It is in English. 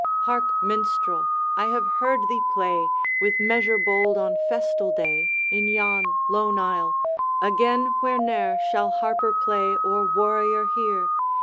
'Hark, Minstrel! I have heard thee play, With measure bold on festal day, In yon lone isle, again where ne'er Shall harper play or warrior hear!